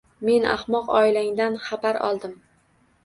Men ahmoq oilangdan xabar oldim.